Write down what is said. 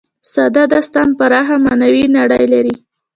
ساده داستان پراخه معنوي نړۍ لري.